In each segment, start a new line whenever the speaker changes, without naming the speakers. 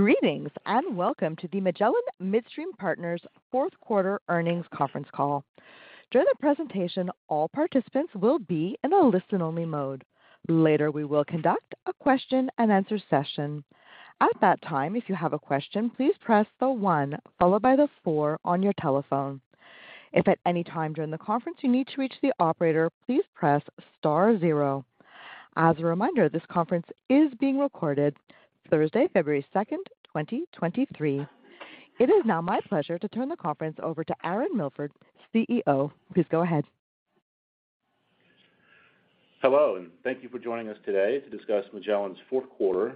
Greetings, welcome to the Magellan Midstream Partners Q4 Earnings Conference Call. During the presentation, all participants will be in a listen-only mode. Later, we will conduct a question-and-answer session. At that time, if you have a question, please press the one followed by the four on your telephone. If at any time during the conference you need to reach the operator, please press star zero. As a reminder, this conference is being recorded Thursday, February 2nd, 2023. It is now my pleasure to turn the conference over to Aaron Milford, CEO. Please go ahead.
Hello, thank you for joining us today to discuss Magellan's Q4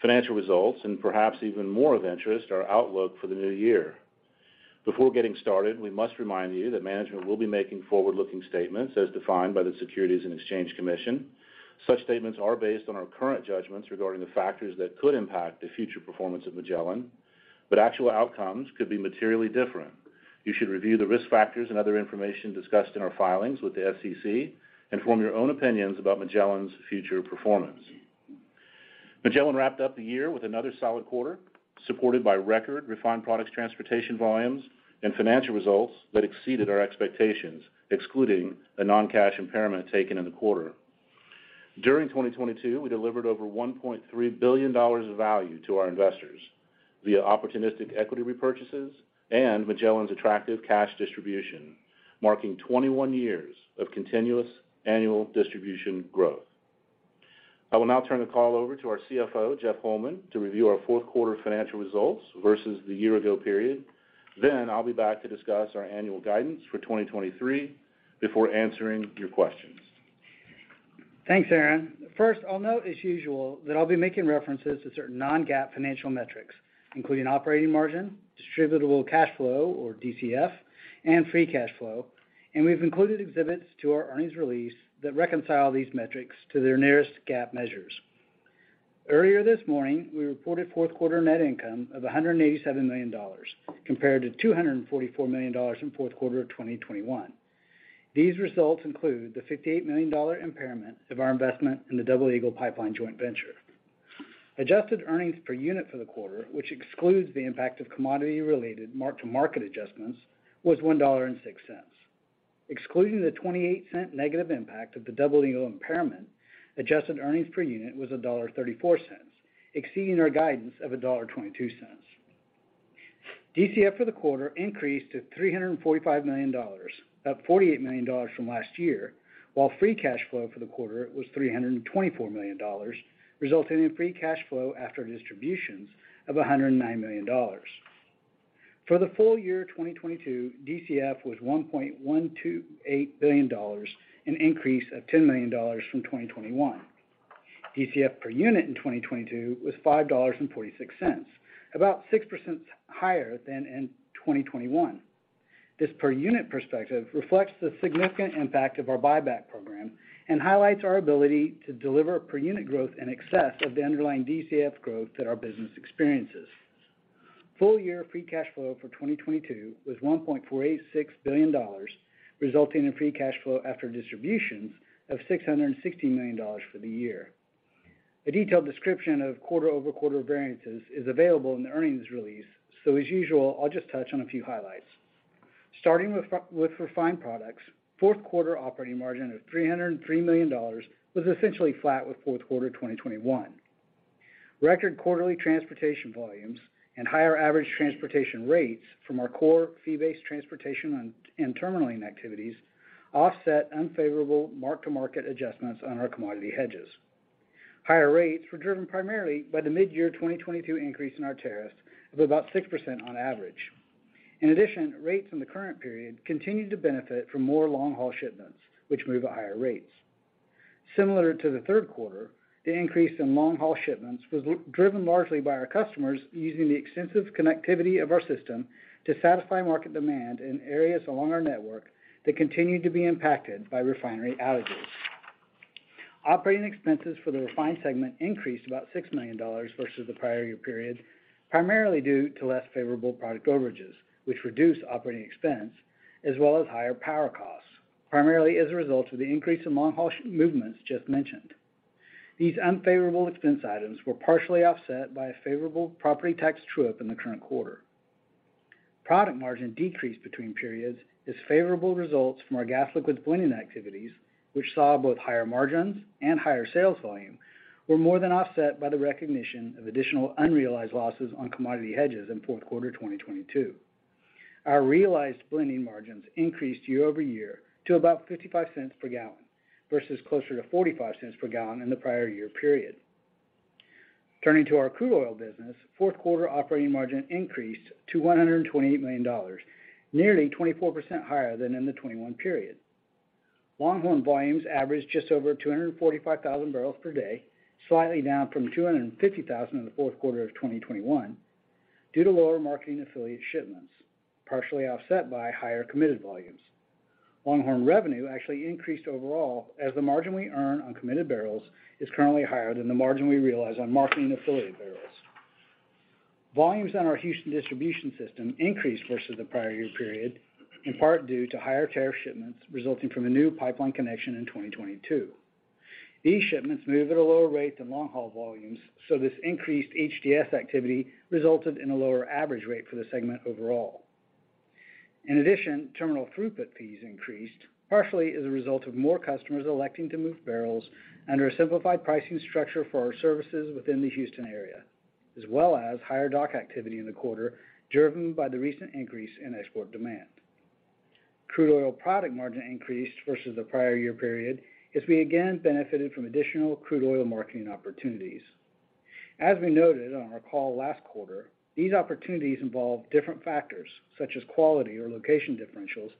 Financial Results, and perhaps even more of interest, our outlook for the new year. Before getting started, we must remind you that management will be making forward-looking statements as defined by the Securities and Exchange Commission. Such statements are based on our current judgments regarding the factors that could impact the future performance of Magellan, but actual outcomes could be materially different. You should review the risk factors and other information discussed in our filings with the SEC and form your own opinions about Magellan's future performance. Magellan wrapped up the year with another solid quarter, supported by record refined products transportation volumes and financial results that exceeded our expectations, excluding a non-cash impairment taken in the quarter. During 2022, we delivered over $1.3 billion of value to our investors via opportunistic equity repurchases and Magellan's attractive cash distribution, marking 21 years of continuous annual distribution growth. I will now turn the call over to our CFO, Jeff Holman, to review our Q4 Financial Results versus the year-ago period. I'll be back to discuss our annual guidance for 2023 before answering your questions.
Thanks, Aaron. First, I'll note as usual that I'll be making references to certain Non-GAAP financial metrics, including operating margin, distributable cash flow or DCF, and free cash flow. We've included exhibits to our Earnings Release that reconcile these metrics to their nearest GAAP measures. Earlier this morning, we reported Q4 net income of $187 million compared to $244 million in Q4 of 2021. These results include the $58 million impairment of our investment in the Double Eagle Pipeline joint venture. adjusted earnings per unit for the quarter, which excludes the impact of commodity-related mark-to-market adjustments, was $1.06. Excluding the $0.28 negative impact of the Double Eagle impairment, adjusted earnings per unit was $1.34, exceeding our guidance of $1.22. DCF for the quarter increased to $345 million, up $48 million from last year, while free cash flow for the quarter was $324 million, resulting in free cash flow after distributions of $109 million. For the full year of 2022, DCF was $1.128 billion, an increase of $10 million from 2021. DCF per unit in 2022 was $5.46, about 6% higher than in 2021. This per unit perspective reflects the significant impact of our buyback program and highlights our ability to deliver per unit growth in excess of the underlying DCF growth that our business experiences. Full-year free cash flow for 2022 was $1.486 billion, resulting in free cash flow after distributions of $660 million for the year. A detailed description of quarter-over-quarter variances is available in the Earnings Release, as usual, I'll just touch on a few highlights. Starting with refined products, Q4 operating margin of $303 million was essentially flat with Q4 of 2021. Record quarterly transportation volumes and higher average transportation rates from our core fee-based transportation and terminaling activities offset unfavorable mark-to-market adjustments on our commodity hedges. Higher rates were driven primarily by the mid-year 2022 increase in our tariffs of about 6% on average. In addition, rates in the current period continued to benefit from more long-haul shipments, which move at higher rates. Similar to the Q3, the increase in long-haul shipments was driven largely by our customers using the extensive connectivity of our system to satisfy market demand in areas along our network that continued to be impacted by refinery outages. Operating expenses for the refined segment increased about $6 million versus the prior year period, primarily due to less favorable product overages, which reduced operating expense as well as higher power costs, primarily as a result of the increase in long-haul movements just mentioned. These unfavorable expense items were partially offset by a favorable property tax true-up in the current quarter. Product margin decreased between periods as favorable results from our gas liquids blending activities, which saw both higher margins and higher sales volume were more than offset by the recognition of additional unrealized losses on commodity hedges in Q4 of 2022. Our realized blending margins increased year-over-year to about $0.55 per gallon versus closer to $0.45 per gallon in the prior year period. Turning to our crude oil business, Q4 operating margin increased to $128 million, nearly 24% higher than in the 2021 period. Longhorn volumes averaged just over 245,000 barrels per day, slightly down from 250,000 in the Q4 of 2021 due to lower marketing affiliate shipments, partially offset by higher committed volumes. Longhorn revenue actually increased overall as the margin we earn on committed barrels is currently higher than the margin we realize on marketing affiliate barrels. Volumes on our Houston distribution system increased versus the prior year period, in part due to higher tariff shipments resulting from a new pipeline connection in 2022. These shipments move at a lower rate than long-haul volumes. This increased HDS activity resulted in a lower average rate for the segment overall. In addition, terminal throughput fees increased, partially as a result of more customers electing to move barrels under a simplified pricing structure for our services within the Houston area, as well as higher dock activity in the quarter, driven by the recent increase in export demand. Crude oil product margin increased versus the prior year period as we again benefited from additional crude oil marketing opportunities. As we noted on our call last quarter, these opportunities involve different factors, such as quality or location differentials,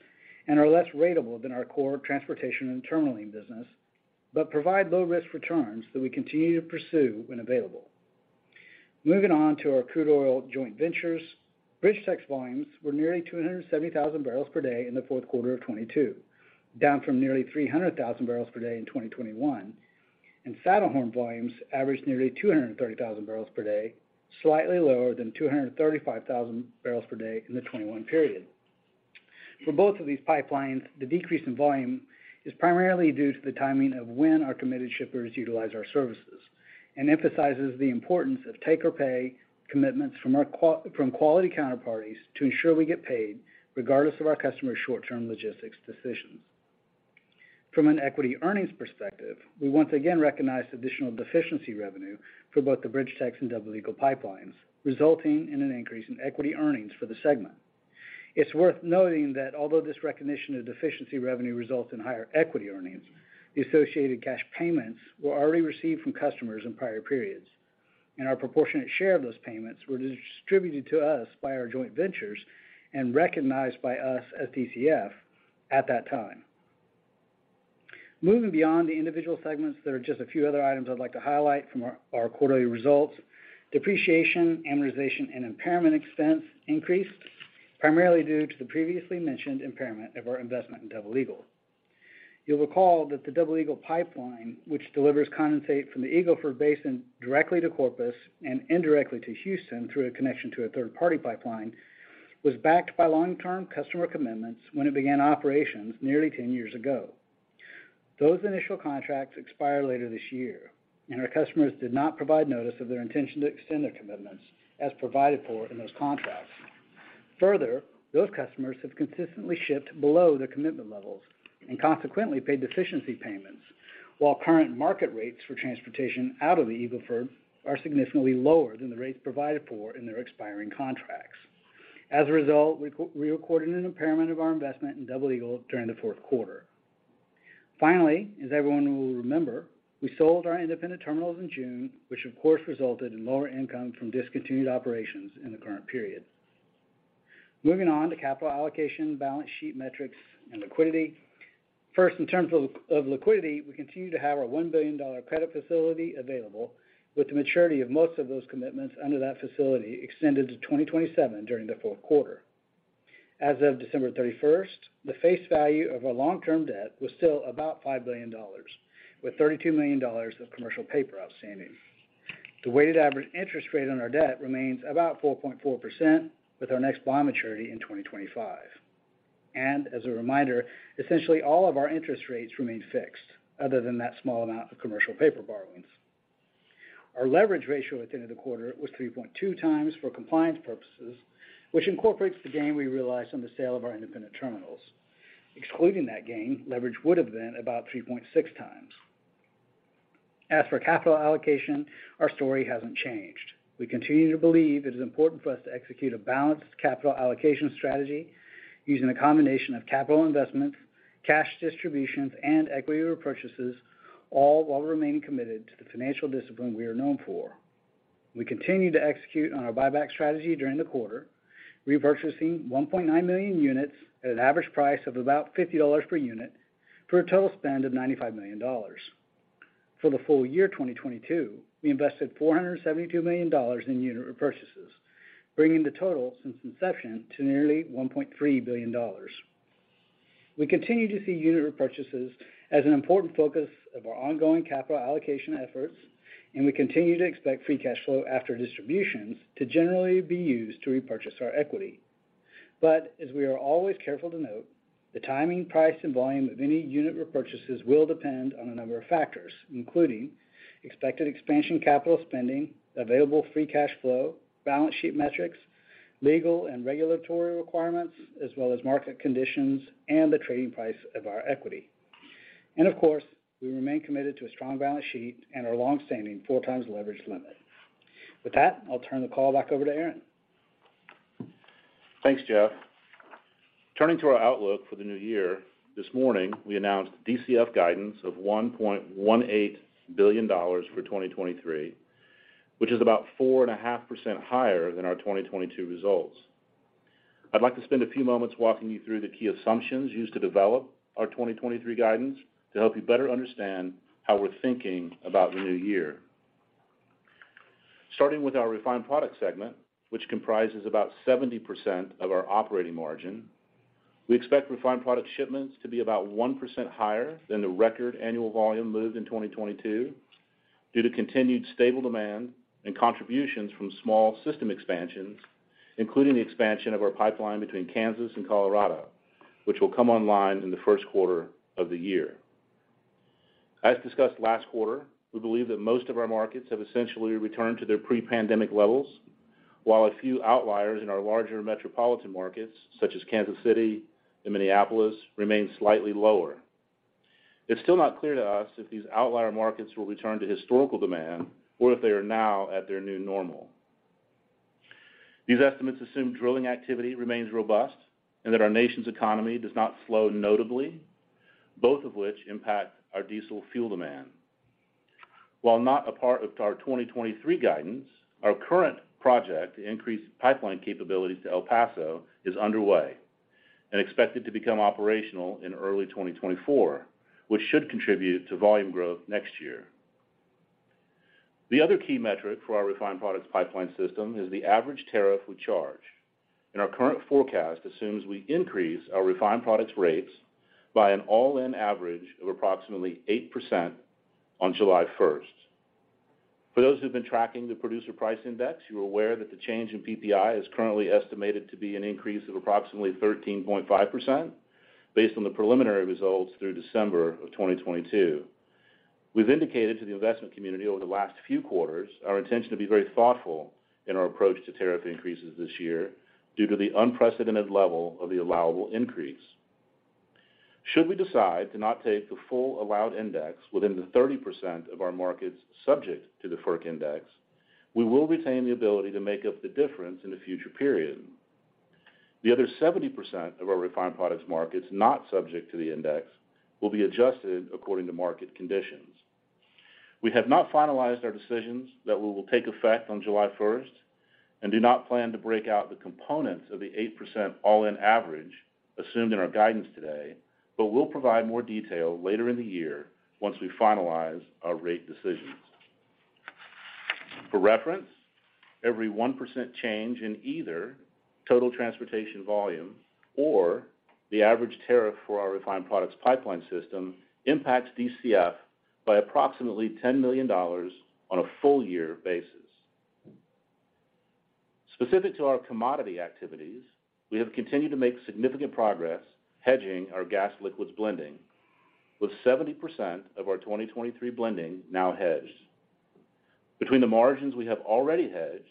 and are less ratable than our core transportation and terminaling business, provide low-risk returns that we continue to pursue when available. Moving on to our crude oil joint ventures. BridgeTex volumes were nearly 270,000 barrels per day in the fourth quarter of 2022, down from nearly 300,000 barrels per day in 2021. Saddlehorn volumes averaged nearly 230,000 barrels per day, slightly lower than 235,000 barrels per day in the 2021 period. For both of these pipelines, the decrease in volume is primarily due to the timing of when our committed shippers utilize our services and emphasizes the importance of take-or-pay commitments from quality counterparties to ensure we get paid regardless of our customers' short-term logistics decisions. From an equity earnings perspective, we once again recognized additional deficiency revenue for both the BridgeTex and Double Eagle pipelines, resulting in an increase in equity earnings for the segment. It's worth noting that although this recognition of deficiency revenue results in higher equity earnings, the associated cash payments were already received from customers in prior periods. Our proportionate share of those payments were distributed to us by our joint ventures and recognized by us as DCF at that time. Moving beyond the individual segments, there are just a few other items I'd like to highlight from our quarterly results. Depreciation, amortization, and impairment expense increased, primarily due to the previously mentioned impairment of our investment in Double Eagle. You'll recall that the Double Eagle pipeline, which delivers condensate from the Eagle Ford Basin directly to Corpus and indirectly to Houston through a connection to a third-party pipeline, was backed by long-term customer commitments when it began operations nearly 10 years ago. Those initial contracts expire later this year, and our customers did not provide notice of their intention to extend their commitments as provided for in those contracts. Further, those customers have consistently shipped below their commitment levels and consequently paid deficiency payments, while current market rates for transportation out of the Eagle Ford are significantly lower than the rates provided for in their expiring contracts. As a result, we re-recorded an impairment of our investment in Double Eagle during the Q4. Finally, as everyone will remember, we sold our independent terminals in June, which of course resulted in lower income from discontinued operations in the current period. Moving on to capital allocation, balance sheet metrics, and liquidity. In terms of liquidity, we continue to have our $1 billion credit facility available with the maturity of most of those commitments under that facility extended to 2027 during the fourth quarter. As of December 31st, the face value of our long-term debt was still about $5 billion, with $32 million of commercial paper outstanding. The weighted average interest rate on our debt remains about 4.4%, with our next bond maturity in 2025. As a reminder, essentially all of our interest rates remain fixed, other than that small amount of commercial paper borrowings. Our leverage ratio at the end of the quarter was 3.2x for compliance purposes, which incorporates the gain we realized on the sale of our independent terminals. Excluding that gain, leverage would have been about 3.6x. As for capital allocation, our story hasn't changed. We continue to believe it is important for us to execute a balanced capital allocation strategy using a combination of capital investments, cash distributions, and equity repurchases, all while remaining committed to the financial discipline we are known for. We continued to execute on our buyback strategy during the quarter, repurchasing 1.9 million units at an average price of about $50 per unit for a total spend of $95 million. For the full year 2022, we invested $472 million in unit repurchases, bringing the total since inception to nearly $1.3 billion. We continue to see unit repurchases as an important focus of our ongoing capital allocation efforts, and we continue to expect free cash flow after distributions to generally be used to repurchase our equity. As we are always careful to note, the timing, price, and volume of any unit repurchases will depend on a number of factors, including expected expansion capital spending, available free cash flow, balance sheet metrics, legal and regulatory requirements, as well as market conditions and the trading price of our equity. Of course, we remain committed to a strong balance sheet and our long-standing four times leverage limit. With that, I'll turn the call back over to Aaron.
Thanks, Jeff. Turning to our outlook for the new year, this morning, we announced DCF guidance of $1.18 billion for 2023, which is about 4.5% higher than our 2022 results. I'd like to spend a few moments walking you through the key assumptions used to develop our 2023 guidance to help you better understand how we're thinking about the new year. Starting with our refined products segment, which comprises about 70% of our operating margin. We expect refined product shipments to be about 1% higher than the record annual volume moved in 2022 due to continued stable demand and contributions from small system expansions, including the expansion of our pipeline between Kansas and Colorado, which will come online in the Q1 of the year. As discussed last quarter, we believe that most of our markets have essentially returned to their pre-pandemic levels, while a few outliers in our larger metropolitan markets, such as Kansas City and Minneapolis, remain slightly lower. It's still not clear to us if these outlier markets will return to historical demand or if they are now at their new normal. These estimates assume drilling activity remains robust and that our nation's economy does not slow notably, both of which impact our diesel fuel demand. While not a part of our 2023 guidance, our current project to increase pipeline capabilities to El Paso is underway and expected to become operational in early 2024, which should contribute to volume growth next year. The other key metric for our refined products pipeline system is the average tariff we charge, and our current forecast assumes we increase our refined products rates by an all-in average of approximately 8% on July first. For those who've been tracking the Producer Price Index, you are aware that the change in PPI is currently estimated to be an increase of approximately 13.5% based on the preliminary results through December of 2022. We've indicated to the investment community over the last few quarters our intention to be very thoughtful in our approach to tariff increases this year due to the unprecedented level of the allowable increase. Should we decide to not take the full allowed index within the 30% of our markets subject to the FERC index, we will retain the ability to make up the difference in a future period. The other 70% of our refined products markets not subject to the index will be adjusted according to market conditions. We have not finalized our decisions that will take effect on July 1st and do not plan to break out the components of the 8% all-in average assumed in our guidance today. We'll provide more detail later in the year once we finalize our rate decisions. For reference, every 1% change in either total transportation volume or the average tariff for our refined products pipeline system impacts DCF by approximately $10 million on a full year basis. Specific to our commodity activities, we have continued to make significant progress hedging our gas liquids blending, with 70% of our 2023 blending now hedged. Between the margins we have already hedged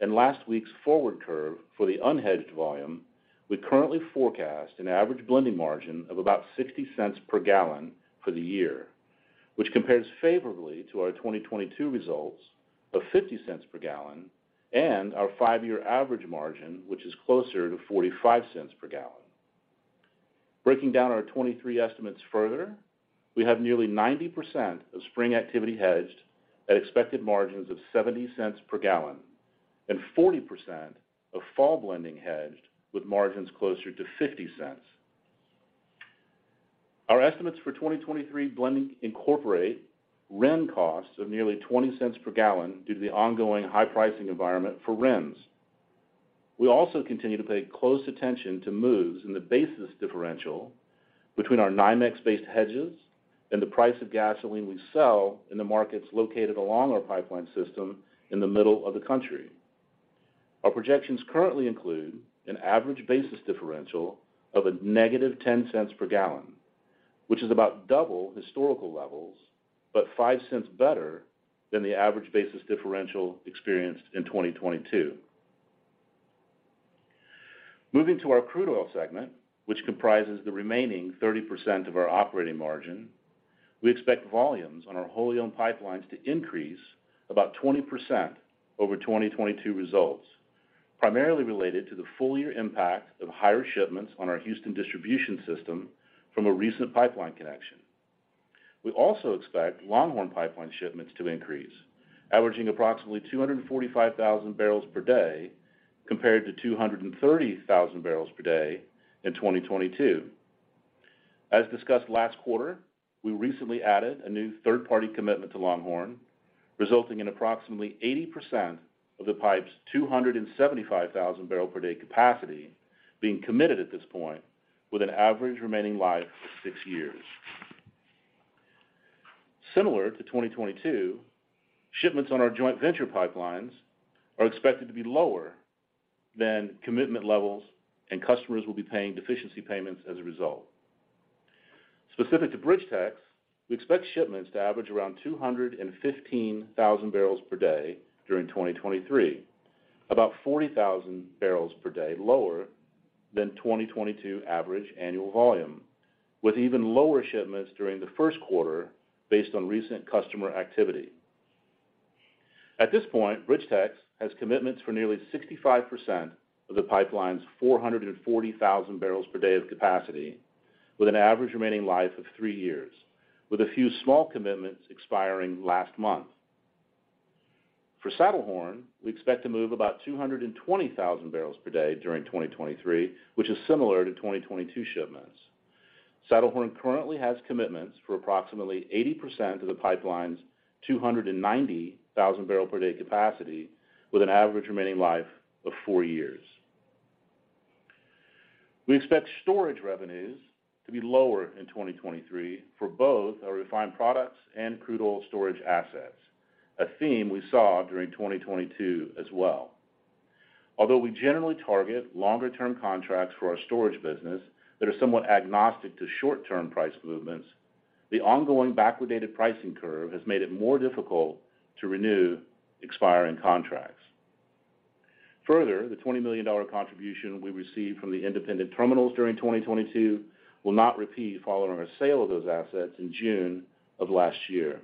and last week's forward curve for the unhedged volume, we currently forecast an average blending margin of about $0.60 per gallon for the year, which compares favorably to our 2022 results of $0.50 per gallon and our five-year average margin, which is closer to $0.45 per gallon. Breaking down our 2023 estimates further, we have nearly 90% of spring activity hedged at expected margins of $0.70 per gallon and 40% of fall blending hedged with margins closer to $0.50. Our estimates for 2023 blending incorporate RIN costs of nearly $0.20 per gallon due to the ongoing high pricing environment for RINs. We also continue to pay close attention to moves in the basis differential between our NYMEX-based hedges and the price of gasoline we sell in the markets located along our pipeline system in the middle of the country. Our projections currently include an average basis differential of a negative $0.10 per gallon, which is about double historical levels, but $0.05 better than the average basis differential experienced in 2022. Moving to our crude oil segment, which comprises the remaining 30% of our operating margin, we expect volumes on our wholly owned pipelines to increase about 20% over 2022 results, primarily related to the full year impact of higher shipments on our Houston distribution system from a recent pipeline connection. We also expect Longhorn Pipeline shipments to increase, averaging approximately 245,000 barrels per day compared to 230,000 barrels per day in 2022. As discussed last quarter, we recently added a new third-party commitment to Longhorn, resulting in approximately 80% of the pipe's 275,000 barrel per day capacity being committed at this point with an average remaining life of 6 years. Similar to 2022, shipments on our joint venture pipelines are expected to be lower than commitment levels, and customers will be paying deficiency payments as a result. Specific to BridgeTex, we expect shipments to average around 215,000 barrels per day during 2023, about 40,000 barrels per day lower than 2022 average annual volume, with even lower shipments during the first quarter based on recent customer activity. At this point, BridgeTex has commitments for nearly 65% of the pipeline's 440,000 barrels per day of capacity with an average remaining life of three years, with a few small commitments expiring last month. For Saddlehorn, we expect to move about 220,000 barrels per day during 2023, which is similar to 2022 shipments. Saddlehorn currently has commitments for approximately 80% of the pipeline's 290,000 barrel per day capacity with an average remaining life of four years. We expect storage revenues to be lower in 2023 for both our refined products and crude oil storage assets, a theme we saw during 2022 as well. Although we generally target longer-term contracts for our storage business that are somewhat agnostic to short-term price movements, the ongoing backwardated pricing curve has made it more difficult to renew expiring contracts. The $20 million contribution we received from the independent terminals during 2022 will not repeat following our sale of those assets in June of last year.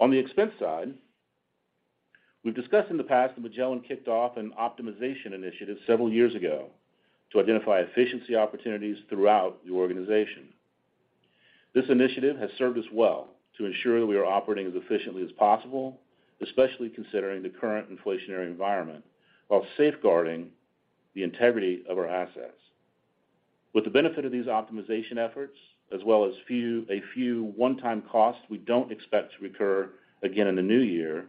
On the expense side, we've discussed in the past that Magellan kicked off an optimization initiative several years ago to identify efficiency opportunities throughout the organization. This initiative has served us well to ensure that we are operating as efficiently as possible, especially considering the current inflationary environment, while safeguarding the integrity of our assets. With the benefit of these optimization efforts, as well as a few one-time costs we don't expect to recur again in the new year,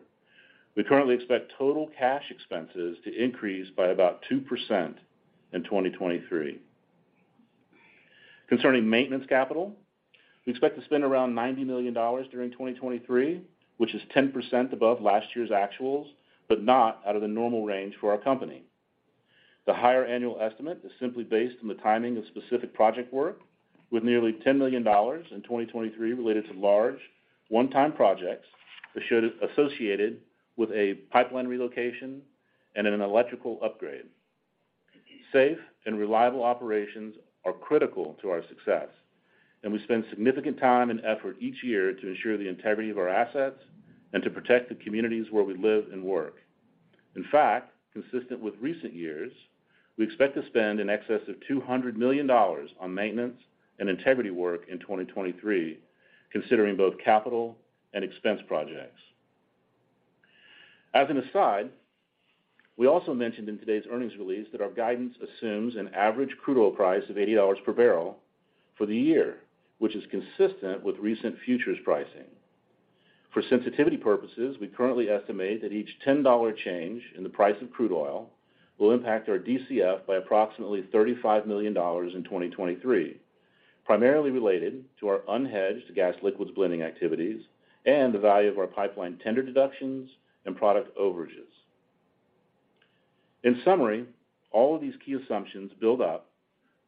we currently expect total cash expenses to increase by about 2% in 2023. Concerning maintenance capital, we expect to spend around $90 million during 2023, which is 10% above last year's actuals, but not out of the normal range for our company. The higher annual estimate is simply based on the timing of specific project work with nearly $10 million in 2023 related to large one-time projects associated with a pipeline relocation and an electrical upgrade. Safe and reliable operations are critical to our success, and we spend significant time and effort each year to ensure the integrity of our assets and to protect the communities where we live and work. Consistent with recent years, we expect to spend in excess of $200 million on maintenance and integrity work in 2023, considering both capital and expense projects. As an aside, we also mentioned in today's earnings release that our guidance assumes an average crude oil price of $80 per barrel for the year, which is consistent with recent futures pricing. For sensitivity purposes, we currently estimate that each $10 change in the price of crude oil will impact our DCF by approximately $35 million in 2023, primarily related to our unhedged gas liquids blending activities and the value of our pipeline tender deductions and product overages. All of these key assumptions build up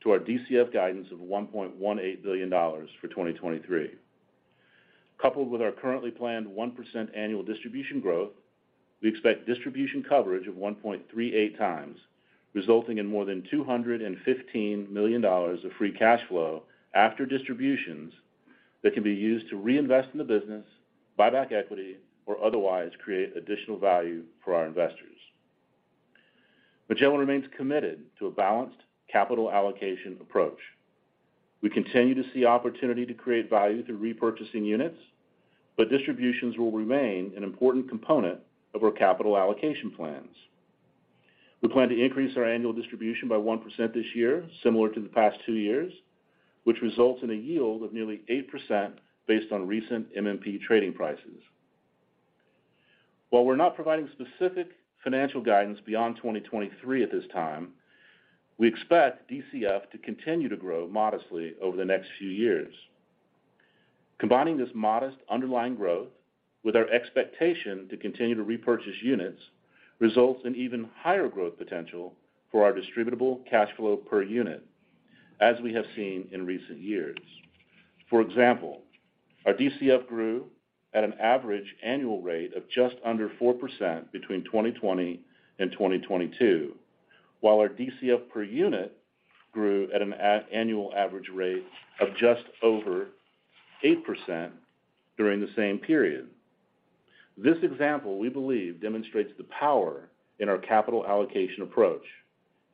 to our DCF guidance of $1.18 billion for 2023. Coupled with our currently planned 1% annual distribution growth, we expect distribution coverage of 1.38 times, resulting in more than $215 million of free cash flow after distributions that can be used to reinvest in the business, buy back equity, or otherwise create additional value for our investors. Magellan remains committed to a balanced capital allocation approach. We continue to see opportunity to create value through repurchasing units. Distributions will remain an important component of our capital allocation plans. We plan to increase our annual distribution by 1% this year, similar to the past two years, which results in a yield of nearly 8% based on recent MMP trading prices. While we're not providing specific financial guidance beyond 2023 at this time, we expect DCF to continue to grow modestly over the next few years. Combining this modest underlying growth with our expectation to continue to repurchase units results in even higher growth potential for our distributable cash flow per unit, as we have seen in recent years. For example, our DCF grew at an average annual rate of just under 4% between 2020 and 2022, while our DCF per unit grew at an annual average rate of just over 8% during the same period. This example, we believe, demonstrates the power in our capital allocation approach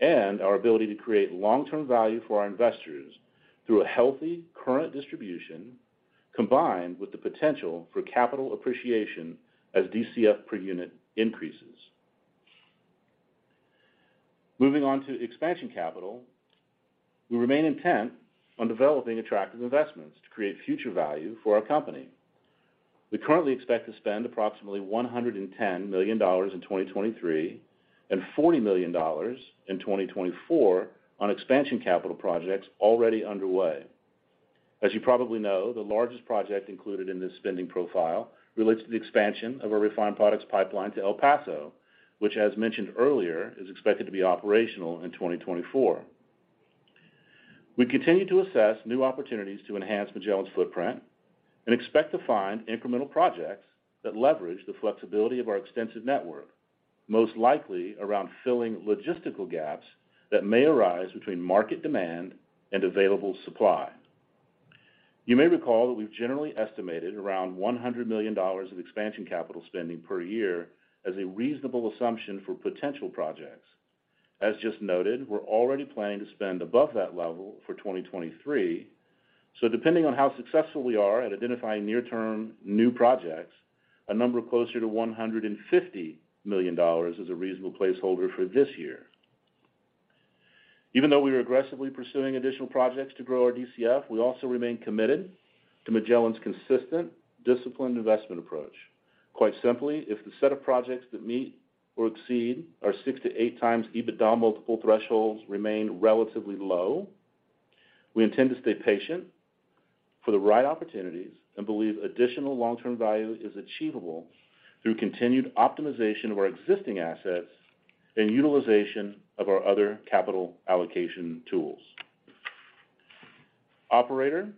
and our ability to create long-term value for our investors through a healthy current distribution combined with the potential for capital appreciation as DCF per unit increases. Moving on to expansion capital, we remain intent on developing attractive investments to create future value for our company. We currently expect to spend approximately $110 million in 2023, and $40 million in 2024 on expansion capital projects already underway. You probably know, the largest project included in this spending profile relates to the expansion of our refined products pipeline to El Paso, which as mentioned earlier, is expected to be operational in 2024. We continue to assess new opportunities to enhance Magellan's footprint and expect to find incremental projects that leverage the flexibility of our extensive network, most likely around filling logistical gaps that may arise between market demand and available supply. You may recall that we've generally estimated around $100 million of expansion capital spending per year as a reasonable assumption for potential projects. As just noted, we're already planning to spend above that level for 2023. Depending on how successful we are at identifying near-term new projects, a number closer to $150 million is a reasonable placeholder for this year. Even though we are aggressively pursuing additional projects to grow our DCF, we also remain committed to Magellan's consistent, disciplined investment approach. Quite simply, if the set of projects that meet or exceed our 6x-8x EBITDA multiple thresholds remain relatively low, we intend to stay patient for the right opportunities and believe additional long-term value is achievable through continued optimization of our existing assets and utilization of our other capital allocation tools. Operator,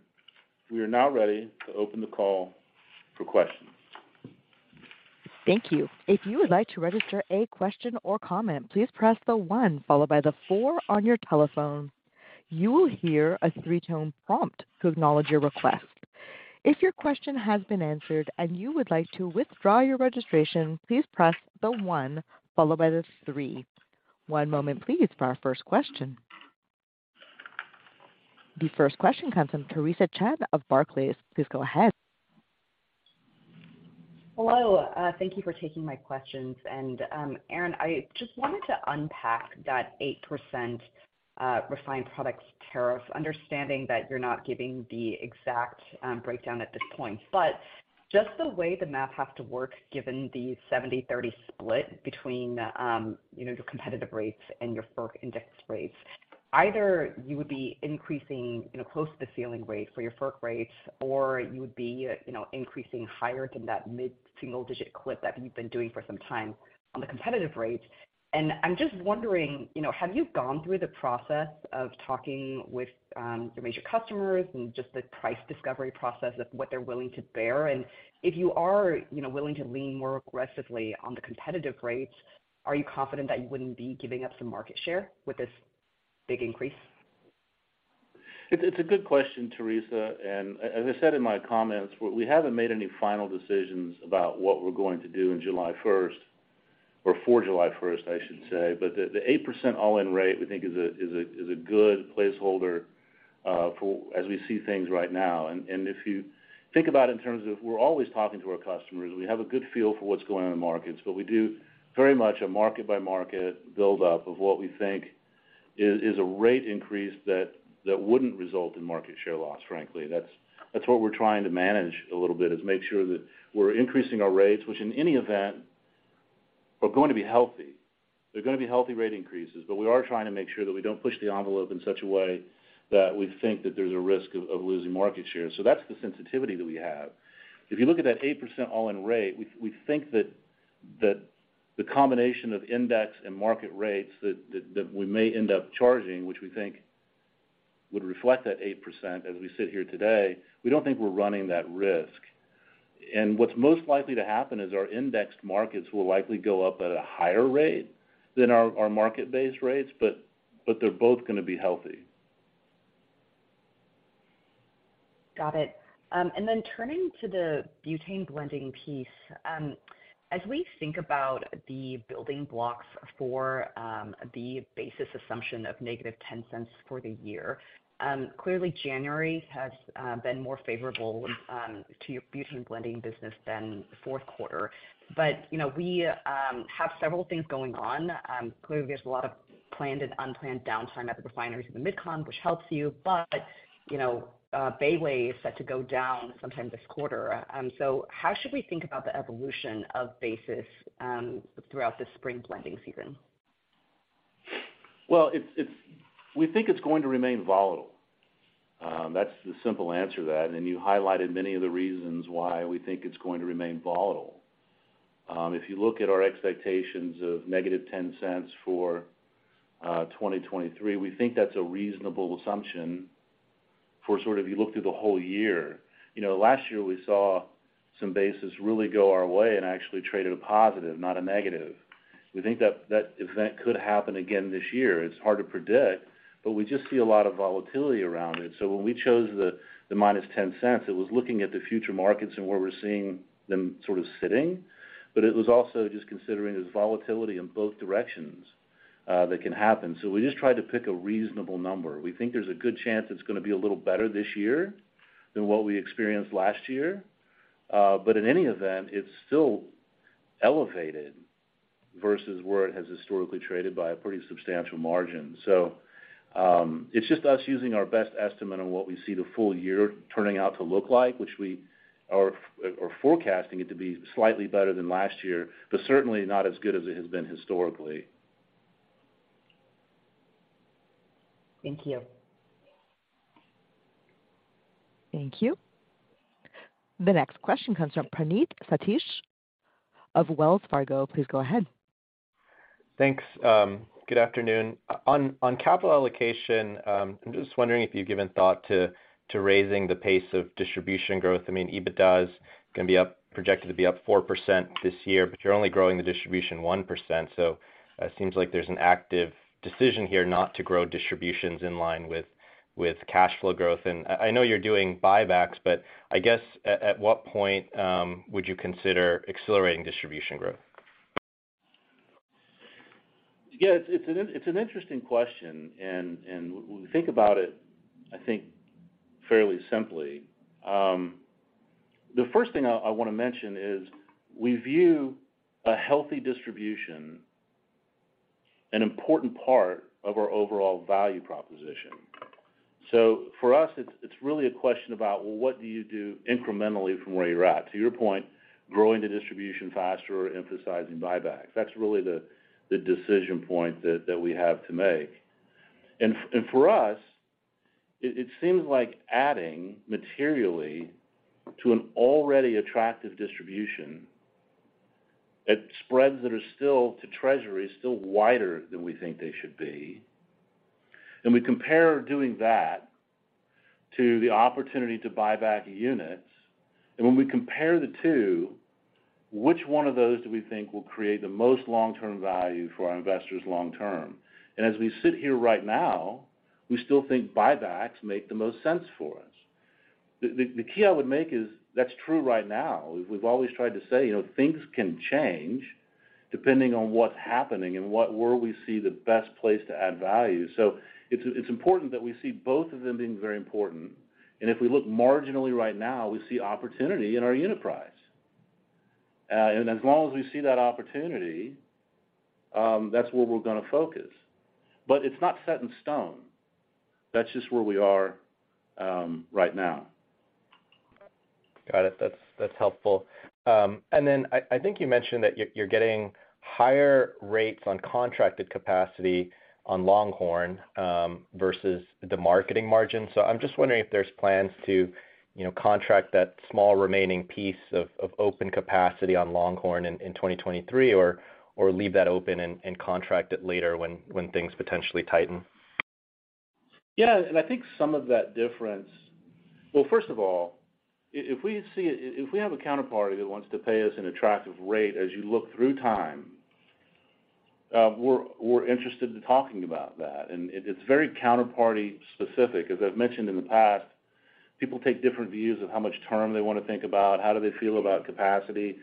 we are now ready to open the call for questions.
Thank you. If you would like to register a question or comment, please press the one followed by the four on your telephone. You will hear a three-tone prompt to acknowledge your request. If your question has been answered and you would like to withdraw your registration, please press the one followed by the three. One moment, please, for our first question. The first question comes from Theresa Chen of Barclays. Please go ahead.
Hello. Thank you for taking my questions. Aaron, I just wanted to unpack that 8%, refined products tariff, understanding that you're not giving the exact breakdown at this point. Just the way the math has to work, given the 70-30 split between, you know, your competitive rates and your FERC index rates, either you would be increasing, you know, close to the ceiling rate for your FERC rates, or you would be, you know, increasing higher than that mid-single-digit clip that you've been doing for some time on the competitive rates. I'm just wondering, you know, have you gone through the process of talking with your major customers and just the price discovery process of what they're willing to bear? If you are, you know, willing to lean more aggressively on the competitive rates, are you confident that you wouldn't be giving up some market share with this big increase?
It's a good question, Teresa. As I said in my comments, we haven't made any final decisions about what we're going to do in July 1st or for July 1st, I should say. The 8% all-in rate we think is a good placeholder for as we see things right now. If you think about it in terms of we're always talking to our customers, we have a good feel for what's going on in the markets, but we do very much a market-by-market build up of what we think is a rate increase that wouldn't result in market share loss, frankly. That's what we're trying to manage a little bit, is make sure that we're increasing our rates, which in any event are going to be healthy. They're gonna be healthy rate increases. We are trying to make sure that we don't push the envelope in such a way that we think that there's a risk of losing market share. That's the sensitivity that we have. If you look at that 8% all-in rate, we think that the combination of index and market rates that we may end up charging, which we think would reflect that 8% as we sit here today, we don't think we're running that risk. What's most likely to happen is our indexed markets will likely go up at a higher rate than our market-based rates, but they're both gonna be healthy.
Got it. Turning to the butane blending piece, as we think about the building blocks for the basis assumption of -$0.10 for the year, clearly January has been more favorable to your butane blending business than the fourth quarter. You know, we have several things going on. Clearly there's a lot of planned and unplanned downtime at the refineries in the MidCon, which helps you. You know, Bayway is set to go down sometime this quarter. How should we think about the evolution of basis throughout the spring blending season?
Well, we think it's going to remain volatile. That's the simple answer to that. You highlighted many of the reasons why we think it's going to remain volatile. If you look at our expectations of -$0.10 for 2023, we think that's a reasonable assumption for sort of you look through the whole year. You know, last year we saw some basis really go our way and actually traded a positive, not a negative. We think that that event could happen again this year. It's hard to predict, but we just see a lot of volatility around it. When we chose the -$0.10, it was looking at the future markets and where we're seeing them sort of sitting. It was also just considering there's volatility in both directions that can happen. We just tried to pick a reasonable number. We think there's a good chance it's gonna be a little better this year than what we experienced last year. In any event, it's still elevated versus where it has historically traded by a pretty substantial margin. It's just us using our best estimate on what we see the full year turning out to look like, which we are forecasting it to be slightly better than last year, but certainly not as good as it has been historically.
Thank you.
Thank you. The next question comes from Praneeth Satish of Wells Fargo. Please go ahead.
Thanks. good afternoon. On capital allocation, I'm just wondering if you've given thought to raising the pace of distribution growth. I mean, EBITDA is gonna be projected to be up 4% this year, but you're only growing the distribution 1%. It seems like there's an active decision here not to grow distributions in line with cash flow growth. I know you're doing buybacks, but I guess at what point would you consider accelerating distribution growth?
It's an interesting question, when we think about it, I think fairly simply. The first thing I wanna mention is we view a healthy distribution an important part of our overall value proposition. For us, it's really a question about, well, what do you do incrementally from where you're at? To your point, growing the distribution faster or emphasizing buybacks. That's really the decision point that we have to make. For us, it seems like adding materially to an already attractive distribution at spreads that are still to Treasury, still wider than we think they should be. We compare doing that to the opportunity to buy back units. When we compare the two, which one of those do we think will create the most long-term value for our investors long term? As we sit here right now, we still think buybacks make the most sense for us. The key I would make is that's true right now. We've always tried to say, you know, things can change depending on what's happening and where we see the best place to add value. It's, it's important that we see both of them being very important. If we look marginally right now, we see opportunity in our unit price. As long as we see that opportunity, that's where we're gonna focus. It's not set in stone. That's just where we are right now.
Got it. That's, that's helpful. I think you mentioned that you're getting higher rates on contracted capacity on Longhorn versus the marketing margin. I'm just wondering if there's plans to, you know, contract that small remaining piece of open capacity on Longhorn in 2023 or leave that open and contract it later when things potentially tighten.
Yeah. I think some of that difference, Well, first of all, if we have a counterparty that wants to pay us an attractive rate as you look through time, we're interested in talking about that. It's very counterparty specific. As I've mentioned in the past, people take different views of how much term they wanna think about, how do they feel about capacity.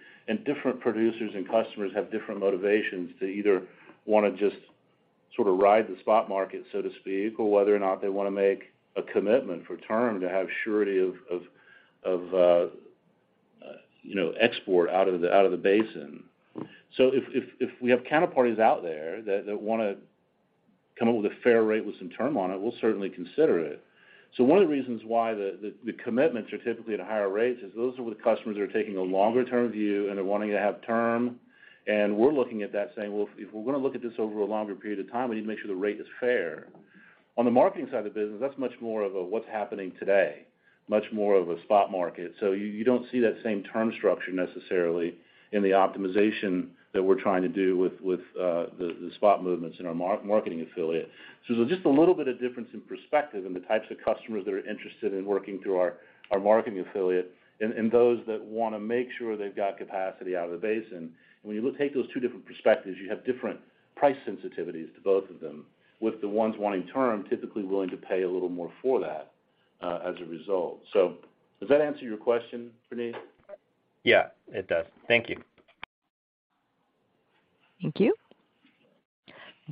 Different producers and customers have different motivations to either wanna just sort of ride the spot market, so to speak, or whether or not they wanna make a commitment for term to have surety of, you know, export out of the, out of the basin. If we have counterparties out there that wanna come up with a fair rate with some term on it, we'll certainly consider it. One of the reasons why the commitments are typically at higher rates is those are the customers that are taking a longer term view and are wanting to have term. We're looking at that saying, "Well, if we're gonna look at this over a longer period of time, we need to make sure the rate is fair." On the marketing side of the business, that's much more of a what's happening today, much more of a spot market. You don't see that same term structure necessarily in the optimization that we're trying to do with the spot movements in our marketing affiliate. Just a little bit of difference in perspective and the types of customers that are interested in working through our marketing affiliate and those that wanna make sure they've got capacity out of the basin. When you take those two different perspectives, you have different price sensitivities to both of them, with the ones wanting term typically willing to pay a little more for that, as a result. Does that answer your question, Praneeth?
Yeah, it does. Thank you.
Thank you.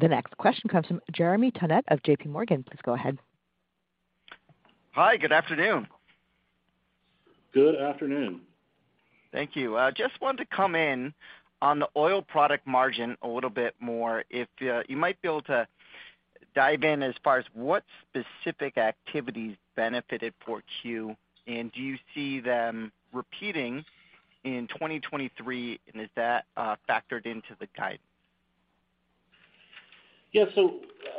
The next question comes from Jeremy Tonet of JP Morgan. Please go ahead.
Hi. Good afternoon.
Good afternoon.
Thank you. Just wanted to come in on the oil product margin a little bit more. If you might be able to dive in as far as what specific activities benefited Q4, and do you see them repeating in 2023, and is that factored into the guidance?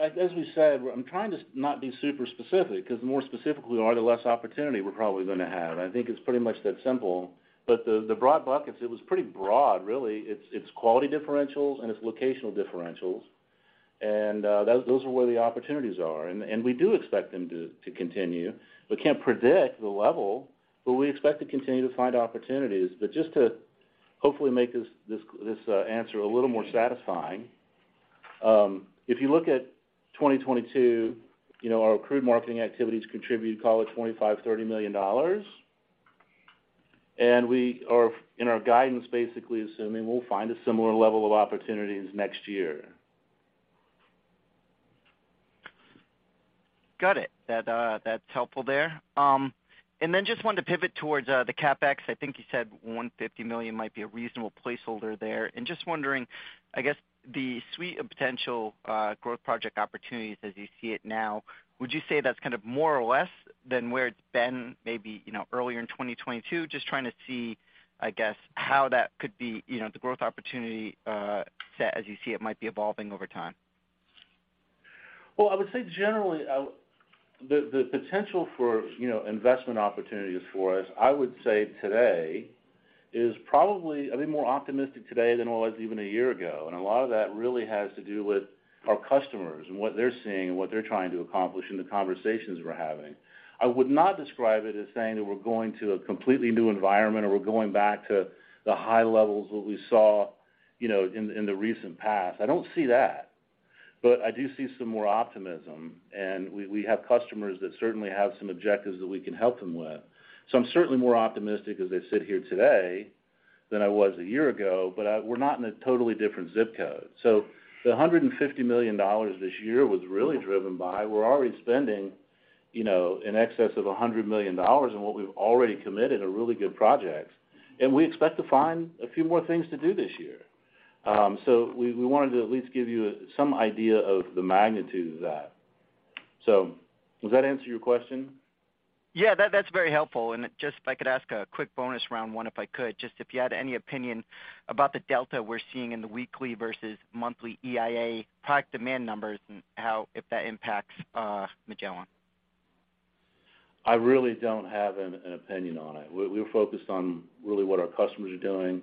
as we said, I'm trying to not be super specific because the more specific we are, the less opportunity we're probably gonna have. I think it's pretty much that simple. the broad buckets, it was pretty broad really. It's quality differentials and it's locational differentials. those are where the opportunities are. we do expect them to continue. We can't predict the level, but we expect to continue to find opportunities. just to hopefully make this answer a little more satisfying, if you look at 2022, you know, our accrued marketing activities contributed, call it $25 million-$30 million. we are in our guidance basically assuming we'll find a similar level of opportunities next year.
Got it. That's helpful there. Then just wanted to pivot towards the CapEx. I think you said $150 million might be a reasonable placeholder there. Just wondering, I guess, the suite of potential growth project opportunities as you see it now, would you say that's kind of more or less than where it's been maybe, you know, earlier in 2022? Just trying to see, I guess, how that could be, you know, the growth opportunity set as you see it might be evolving over time.
Well, I would say generally, the potential for, you know, investment opportunities for us, I would say today is probably, I think, more optimistic today than it was even a year ago. A lot of that really has to do with our customers and what they're seeing and what they're trying to accomplish and the conversations we're having. I would not describe it as saying that we're going to a completely new environment or we're going back to the high levels that we saw, you know, in the recent past. I don't see that, but I do see some more optimism. We have customers that certainly have some objectives that we can help them with. I'm certainly more optimistic as I sit here today than I was a year ago, but we're not in a totally different zip code. The $150 million this year was really driven by, we're already spending, you know, in excess of $100 million in what we've already committed are really good projects. We expect to find a few more things to do this year. We wanted to at least give you some idea of the magnitude of that. Does that answer your question?
Yeah. That's very helpful. Just, if I could ask a quick bonus round one if I could, just if you had any opinion about the delta we're seeing in the weekly versus monthly EIA product demand numbers and if that impacts Magellan?
I really don't have an opinion on it. We're focused on really what our customers are doing,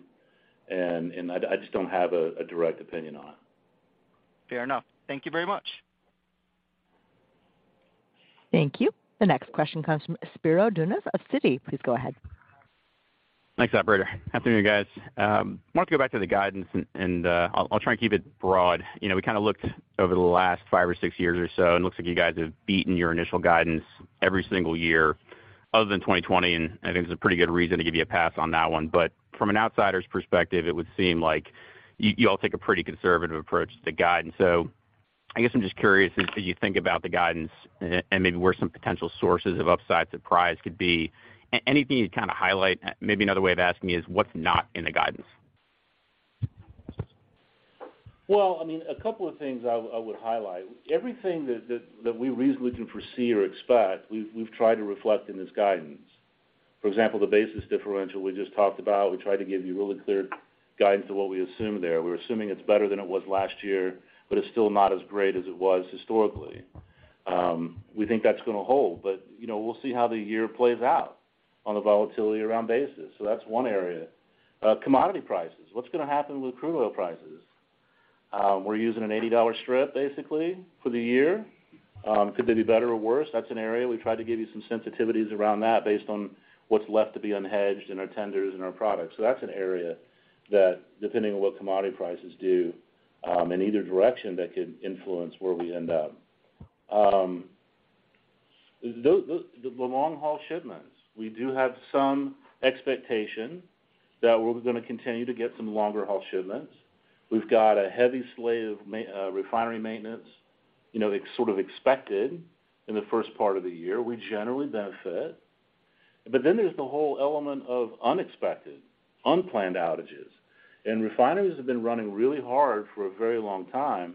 and I just don't have a direct opinion on it.
Fair enough. Thank you very much.
Thank you. The next question comes from Spiro Dounis of Citi. Please go ahead.
Thanks, operator. Afternoon, guys. I wanted to go back to the guidance and I'll try and keep it broad. You know, we kind of looked over the last five or six years or so, and it looks like you guys have beaten your initial guidance every single year other than 2020, and I think there's a pretty good reason to give you a pass on that one. From an outsider's perspective, it would seem like you all take a pretty conservative approach to the guidance. I guess I'm just curious as to you think about the guidance and maybe where some potential sources of upside surprise could be. Anything you'd kind of highlight? Maybe another way of asking is what's not in the guidance?
Well, I mean, a couple of things I would highlight. Everything that we reasonably can foresee or expect, we've tried to reflect in this guidance. For example, the basis differential we just talked about, we tried to give you really clear guidance of what we assume there. We're assuming it's better than it was last year, but it's still not as great as it was historically. We think that's gonna hold, but, you know, we'll see how the year plays out on the volatility around basis. That's one area. Commodity prices. What's gonna happen with crude oil prices? We're using an $80 strip basically for the year. Could they be better or worse? That's an area we tried to give you some sensitivities around that based on what's left to be unhedged in our tenders and our products. That's an area that depending on what commodity prices do, in either direction, that could influence where we end up. The long-haul shipments, we do have some expectation that we're gonna continue to get some longer-haul shipments. We've got a heavy slate of refinery maintenance, you know, expected in the first part of the year. We generally benefit. There's the whole element of unexpected, unplanned outages. Refineries have been running really hard for a very long time,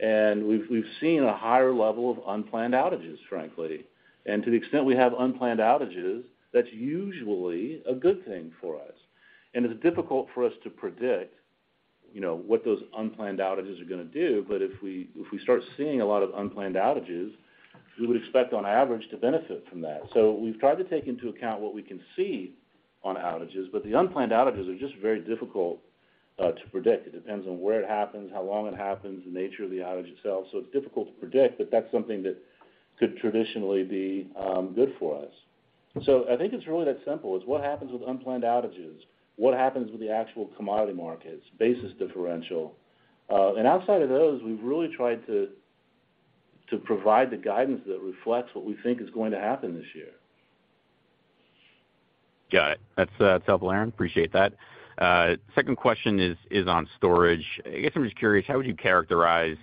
we've seen a higher level of unplanned outages, frankly. To the extent we have unplanned outages, that's usually a good thing for us. It's difficult for us to predict, you know, what those unplanned outages are gonna do, but if we start seeing a lot of unplanned outages, we would expect on average to benefit from that. We've tried to take into account what we can see on outages, but the unplanned outages are just very difficult to predict. It depends on where it happens, how long it happens, the nature of the outage itself. It's difficult to predict, but that's something that could traditionally be good for us. I think it's really that simple. It's what happens with unplanned outages, what happens with the actual commodity markets, basis differential. Outside of those, we've really tried to provide the guidance that reflects what we think is going to happen this year.
Got it. That's helpful, Aaron. Appreciate that. Second question is on storage. I guess I'm just curious, how would you characterize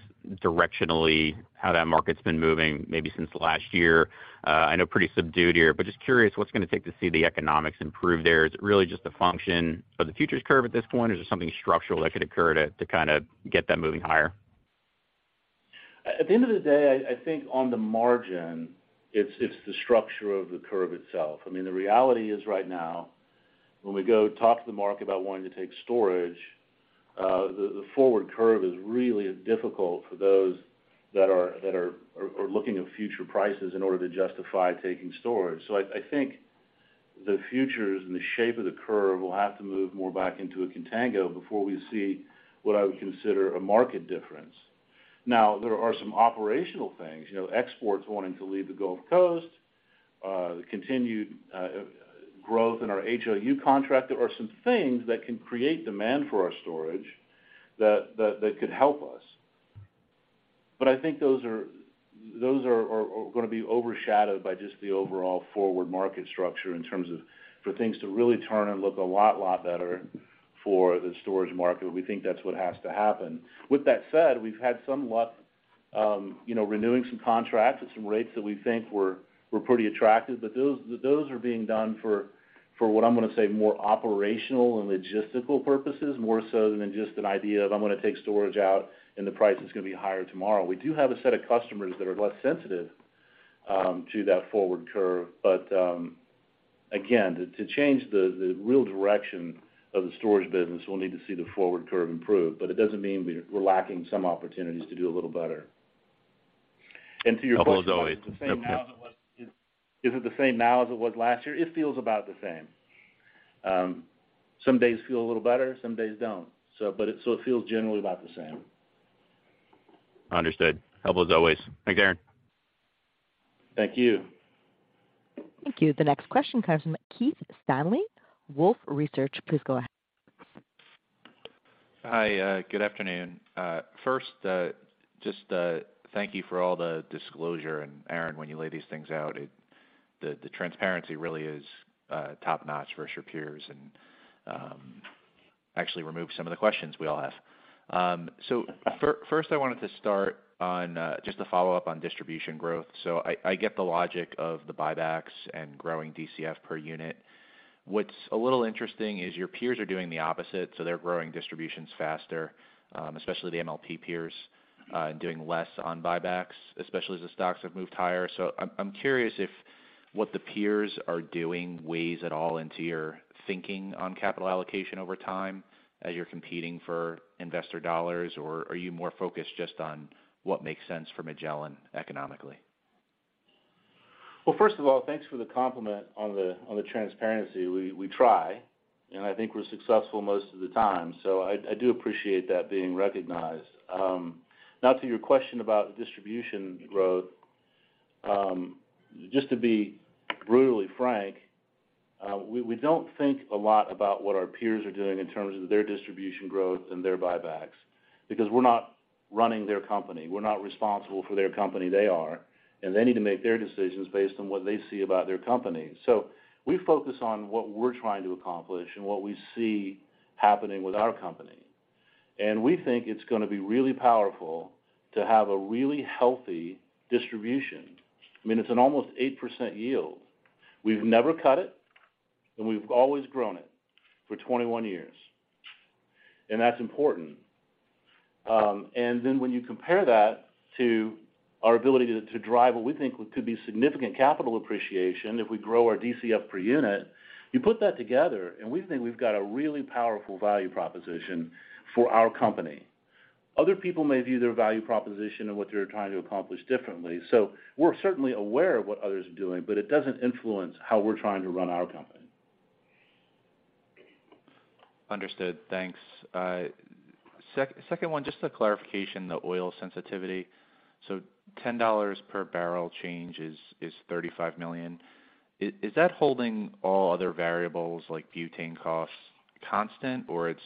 directionally how that market's been moving maybe since last year? I know pretty subdued here, but just curious, what's it gonna take to see the economics improve there? Is it really just a function of the futures curve at this point, or is there something structural that could occur to kinda get that moving higher?
At the end of the day, I think on the margin it's the structure of the curve itself. I mean, the reality is right now, when we go talk to the market about wanting to take storage, the forward curve is really difficult for those that are looking at future prices in order to justify taking storage. I think the futures and the shape of the curve will have to move more back into a Contango before we see what I would consider a market difference. There are some operational things, you know, exports wanting to leave the Gulf Coast, the continued growth in our HOU contract. There are some things that can create demand for our storage that could help us. I think those are gonna be overshadowed by just the overall forward market structure in terms of for things to really turn and look a lot better for the storage market. We think that's what has to happen. With that said, we've had some luck, you know, renewing some contracts at some rates that we think were pretty attractive. Those are being done for what I'm gonna say, more operational and logistical purposes, more so than just an idea of I'm gonna take storage out and the price is gonna be higher tomorrow. We do have a set of customers that are less sensitive to that forward curve. Again, to change the real direction of the storage business, we'll need to see the forward curve improve, but it doesn't mean we're lacking some opportunities to do a little better. To your point.
Helpful as always. Okay.
Is it the same now as it was last year? It feels about the same. Some days feel a little better, some days don't. It feels generally about the same.
Understood. Helpful as always. Thanks, Aaron.
Thank you.
Thank you. The next question comes from Keith Stanley, Wolfe Research. Please go ahead.
Hi, good afternoon. First, just to thank you for all the disclosure. Aaron, when you lay these things out, the transparency really is top-notch versus your peers, and actually removes some of the questions we all have. First I wanted to start on just to follow up on distribution growth. I get the logic of the buybacks and growing DCF per unit. What's a little interesting is your peers are doing the opposite, so they're growing distributions faster, especially the MLP peers, and doing less on buybacks, especially as the stocks have moved higher. I'm curious if what the peers are doing weighs at all into your thinking on capital allocation over time as you're competing for investor dollars, or are you more focused just on what makes sense for Magellan economically?
First of all, thanks for the compliment on the transparency. We try, I think we're successful most of the time. I do appreciate that being recognized. Now to your question about the distribution growth. Just to be brutally frank, we don't think a lot about what our peers are doing in terms of their distribution growth and their buybacks because we're not running their company. We're not responsible for their company, they are. They need to make their decisions based on what they see about their company. We focus on what we're trying to accomplish and what we see happening with our company. We think it's gonna be really powerful to have a really healthy distribution. I mean, it's an almost 8% yield. We've never cut it, and we've always grown it for 21 years, and that's important. Then when you compare that to our ability to drive what we think could be significant capital appreciation if we grow our DCF per unit, you put that together, and we think we've got a really powerful value proposition for our company. Other people may view their value proposition and what they're trying to accomplish differently. We're certainly aware of what others are doing, but it doesn't influence how we're trying to run our company.
Understood. Thanks. Second one, just a clarification, the oil sensitivity. Ten dollars per barrel change is $35 million. Is that holding all other variables like butane costs constant or it's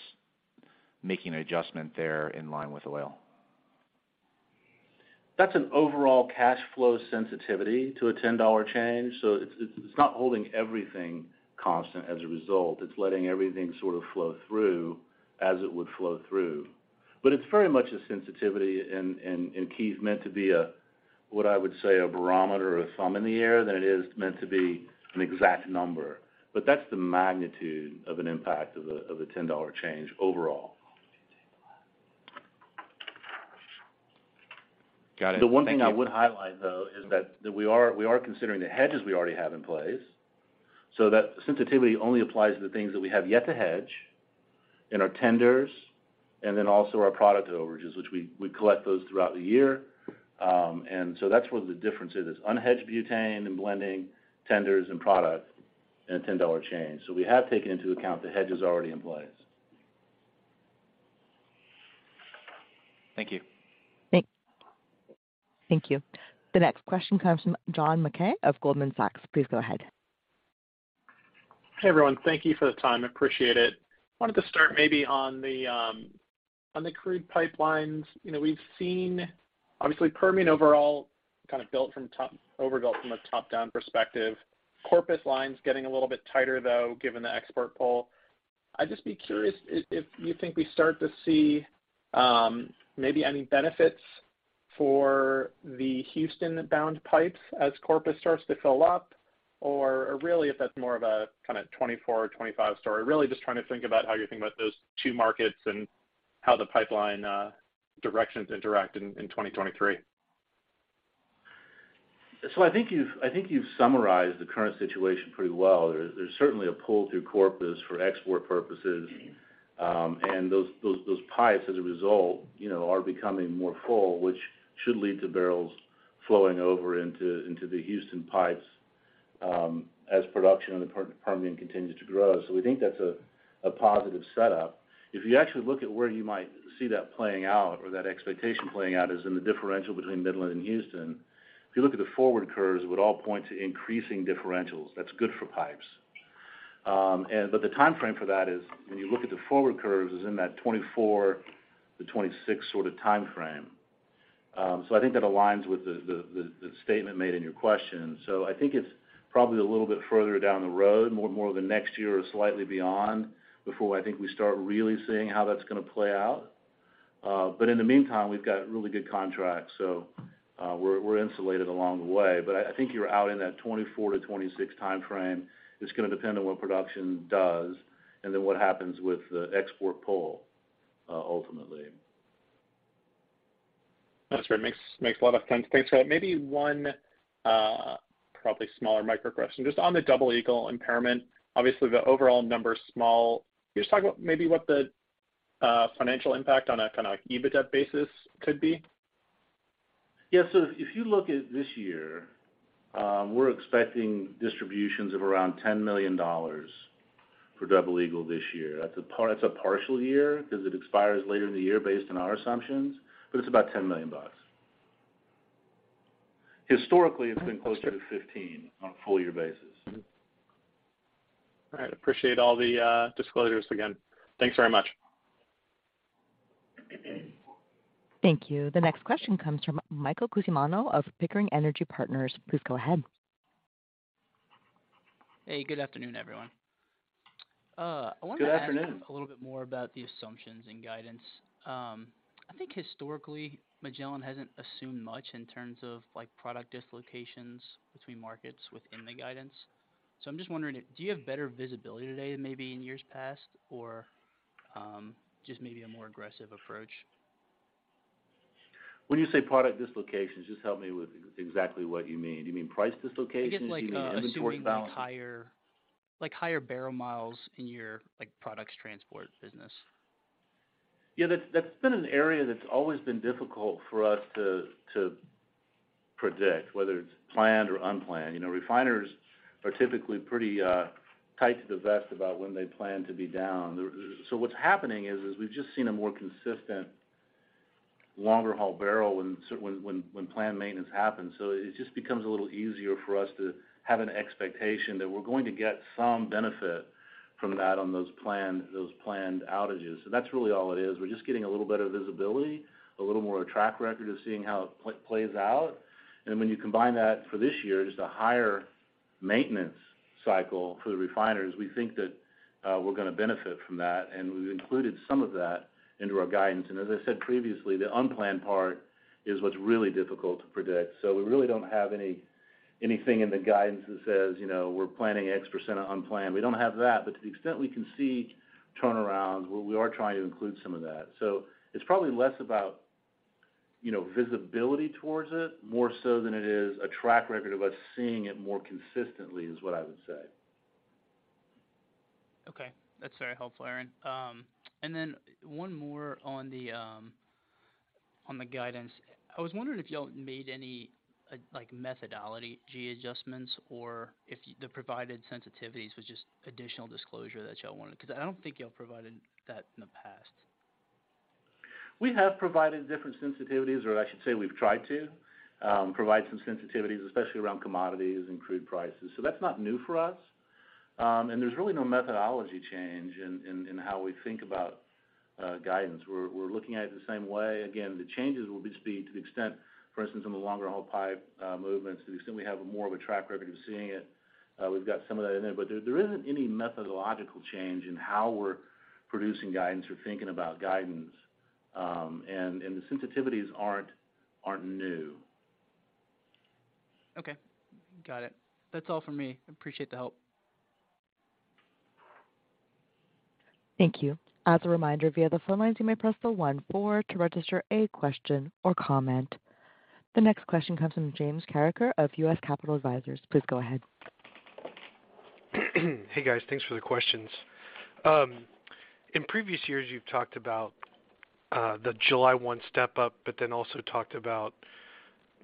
making an adjustment there in line with oil?
That's an overall cash flow sensitivity to a $10 change, it's not holding everything constant as a result. It's letting everything sort of flow through as it would flow through. It's very much a sensitivity, and key is meant to be a what I would say, a barometer or a thumb in the air than it is meant to be an exact number. That's the magnitude of an impact of a $10 change overall.
Got it. Thank you.
The one thing I would highlight, though, is that we are considering the hedges we already have in place. That sensitivity only applies to the things that we have yet to hedge in our tenders and then also our product overages, which we collect those throughout the year. That's where the difference is, unhedged butane and blending tenders and product in a $10 change. We have taken into account the hedges already in place.
Thank you.
Thank you. The next question comes from John Mackay of Goldman Sachs. Please go ahead.
Hey, everyone. Thank you for the time. Appreciate it. Wanted to start maybe on the on the crude pipelines. You know, we've seen obviously Permian overall kind of built from overbuilt from a top-down perspective. Corpus lines getting a little bit tighter, though, given the export pull. I'd just be curious if you think we start to see maybe any benefits for the Houston-bound pipes as Corpus starts to fill up, or really if that's more of a kind of 2024 or 2025 story? Really just trying to think about how you think about those two markets and how the pipeline directions interact in 2023?
I think you've summarized the current situation pretty well. There's certainly a pull through Corpus for export purposes, and those pipes as a result, you know, are becoming more full, which should lead to barrels flowing over into the Houston pipes, as production in the Permian continues to grow. We think that's a positive setup. If you actually look at where you might see that playing out or that expectation playing out is in the differential between Midland and Houston. If you look at the forward curves, it would all point to increasing differentials. That's good for pipes. But the timeframe for that is when you look at the forward curves is in that 2024 to 2026 sort of timeframe. I think that aligns with the statement made in your question. I think it's probably a little bit further down the road, more of the next year or slightly beyond, before I think we start really seeing how that's gonna play out. In the meantime, we've got really good contracts, so we're insulated along the way. I think you're out in that 2024-2026 timeframe. It's gonna depend on what production does and then what happens with the export pull ultimately.
That's fair. Makes a lot of sense. Thanks for that. Maybe one, probably smaller micro question. Just on the Double Eagle impairment, obviously the overall number's small. Can you just talk about maybe what the financial impact on a kind of EBITDA basis could be?
If you look at this year, we're expecting distributions of around $10 million for Double Eagle this year. That's a partial year 'cause it expires later in the year based on our assumptions, but it's about $10 million. Historically, it's been closer to 15 on a full year basis.
All right. Appreciate all the disclosures again. Thanks very much.
Thank you. The next question comes from Michael Cusimano of Pickering Energy Partners. Please go ahead.
Hey, good afternoon, everyone.
Good afternoon.
ask a little bit more about the assumptions and guidance. I think historically, Magellan hasn't assumed much in terms of, like, product dislocations between markets within the guidance. I'm just wondering, do you have better visibility today than maybe in years past or, just maybe a more aggressive approach?
When you say product dislocations, just help me with exactly what you mean. Do you mean price dislocations? Do you mean inventory balance?
I guess, like, assuming, like, higher, like, higher barrel miles in your, like, products transport business.
Yeah, that's been an area that's always been difficult for us to predict, whether it's planned or unplanned. You know, refiners are typically pretty tight to the vest about when they plan to be down. What's happening is, we've just seen a more consistent longer-haul barrel when planned maintenance happens. It just becomes a little easier for us to have an expectation that we're going to get some benefit from that on those planned outages. That's really all it is. We're just getting a little better visibility, a little more of a track record of seeing how it plays out. When you combine that for this year, just a higher maintenance cycle for the refiners, we think that we're gonna benefit from that, and we've included some of that into our guidance. As I said previously, the unplanned part is what's really difficult to predict. We really don't have anything in the guidance that says, you know, we're planning X% of unplanned. We don't have that. To the extent we can see turnarounds, we are trying to include some of that. It's probably less about, you know, visibility towards it, more so than it is a track record of us seeing it more consistently, is what I would say.
Okay. That's very helpful, Aaron. One more on the guidance. I was wondering if y'all made any, like, methodology adjustments or if the provided sensitivities was just additional disclosure that y'all wanted? I don't think y'all provided that in the past.
We have provided different sensitivities, or I should say we've tried to provide some sensitivities, especially around commodities and crude prices. That's not new for us. There's really no methodology change in how we think about guidance. We're looking at it the same way. Again, the changes will just be to the extent, for instance, on the longer-haul pipe movements, to the extent we have more of a track record of seeing it, we've got some of that in there. There isn't any methodological change in how we're producing guidance or thinking about guidance, and the sensitivities aren't new.
Okay. Got it. That's all for me. Appreciate the help.
Thank you. As a reminder, via the phone lines, you may press the one four to register a question or comment. The next question comes from James Carreker of U.S. Capital Advisors. Please go ahead.
Hey, guys. Thanks for the questions. In previous years, you've talked about the July 1 step up, also talked about,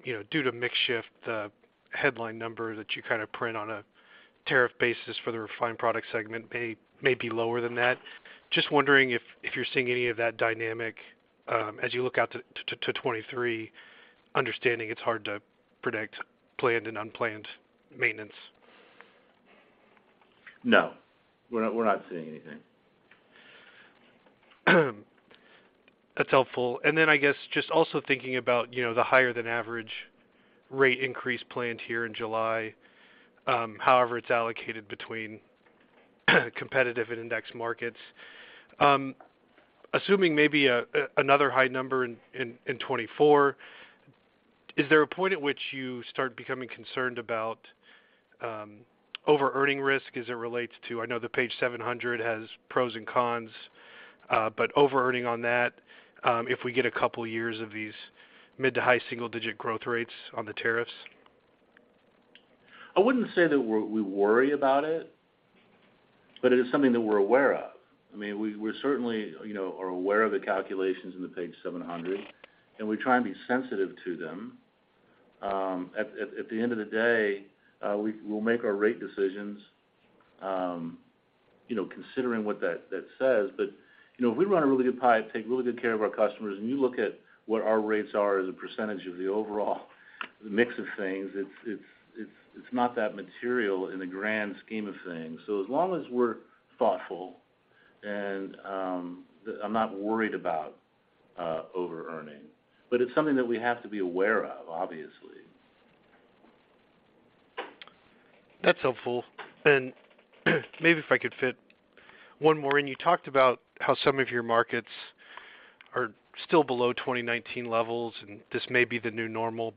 you know, due to mix shift, the headline number that you kind of print on a tariff basis for the refined product segment may be lower than that. Just wondering if you're seeing any of that dynamic as you look out to 2023, understanding it's hard to predict planned and unplanned maintenance.
No. We're not seeing anything.
That's helpful. Then I guess just also thinking about, you know, the higher than average rate increase planned here in July, however it's allocated between competitive and index markets. Assuming maybe another high number in 2024, is there a point at which you start becoming concerned about over-earning risk as it relates to I know the Page 700 has pros and cons, but over-earning on that, if we get a couple years of these mid to high single-digit growth rates on the tariffs?
I wouldn't say that we worry about it, but it is something that we're aware of. I mean, we certainly, you know, are aware of the calculations in the Page 700, and we try and be sensitive to them. At the end of the day, we'll make our rate decisions, you know, considering what that says. You know, we run a really good pipe, take really good care of our customers, and you look at what our rates are as a percentage of the overall mix of things, it's not that material in the grand scheme of things. As long as we're thoughtful and I'm not worried about over-earning, but it's something that we have to be aware of, obviously.
That's helpful. Maybe if I could fit one more in. You talked about how some of your markets are still below 2019 levels, and this may be the new normal,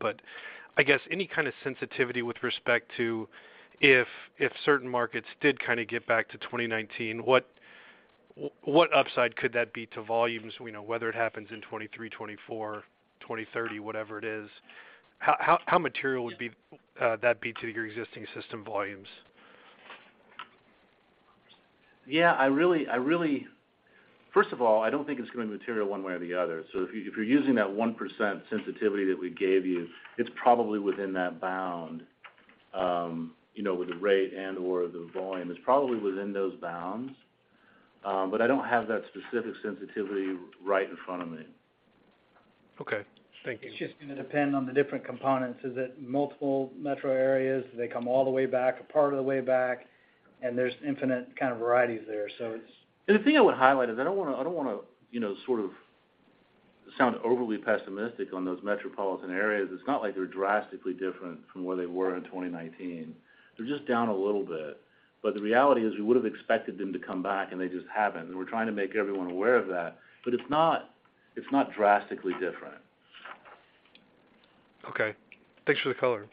I guess any kind of sensitivity with respect to if certain markets did kind of get back to 2019, what upside could that be to volumes? We know whether it happens in 2023, 2024, 2030, whatever it is, how material would that be to your existing system volumes?
Yeah, I really. First of all, I don't think it's going to material one way or the other. If you're using that 1% sensitivity that we gave you, it's probably within that bound, you know, with the rate and/or the volume. It's probably within those bounds. But I don't have that specific sensitivity right in front of me.
Okay. Thank you.
It's just gonna depend on the different components. Is it multiple metro areas? Do they come all the way back, a part of the way back? There's infinite kind of varieties there. It's- The thing I would highlight is I don't wanna, you know, sort of sound overly pessimistic on those metropolitan areas. It's not like they're drastically different from where they were in 2019. They're just down a little bit. The reality is we would have expected them to come back, and they just haven't. We're trying to make everyone aware of that. It's not drastically different.
Okay. Thanks for the color.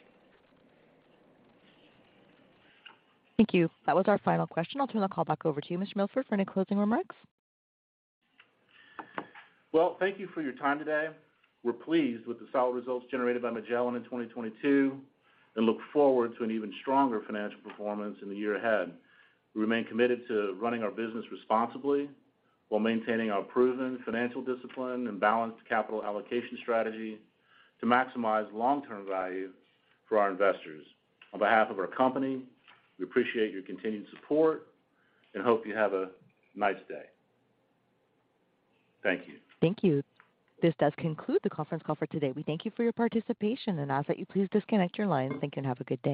Thank you. That was our final question. I'll turn the call back over to you, Mr. Milford, for any closing remarks.
Well, thank you for your time today. We're pleased with the solid results generated by Magellan in 2022 and look forward to an even stronger financial performance in the year ahead. We remain committed to running our business responsibly while maintaining our proven financial discipline and balanced capital allocation strategy to maximize long-term value for our investors. On behalf of our company, we appreciate your continued support and hope you have a nice day. Thank you.
Thank you. This does conclude the conference call for today. We thank you for your participation and ask that you please disconnect your lines. Thank you, and have a good day.